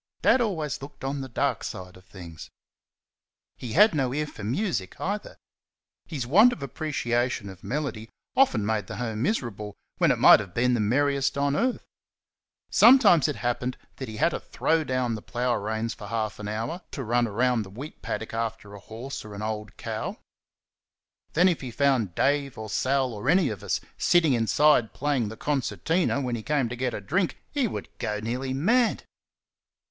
Dad always looked on the dark side of things. He had no ear for music either. His want of appreciation of melody often made the home miserable when it might have been the merriest on earth. Sometimes it happened that he had to throw down the plough reins for half an hour or so to run round the wheat paddock after a horse or an old cow; then, if he found Dave, or Sal, or any of us, sitting inside playing the concertina when he came to get a drink, he would nearly go mad.